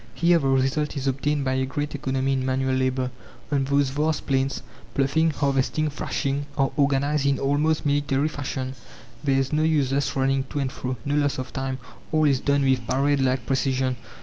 Here the result is obtained by a great economy in manual labour: on those vast plains, ploughing, harvesting, thrashing, are organized in almost military fashion. There is no useless running to and fro, no loss of time all is done with parade like precision.